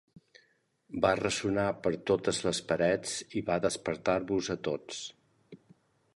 Va ressonar per totes les parets i va despertar-vos a tots.